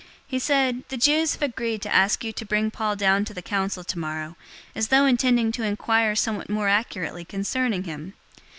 023:020 He said, "The Jews have agreed to ask you to bring Paul down to the council tomorrow, as though intending to inquire somewhat more accurately concerning him.